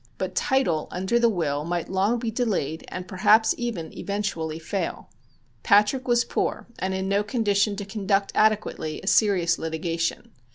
But title under the will might long be delayed and perhaps even eventually fail. Patrick was poor and in no condition to conduct adequately a serious litigation.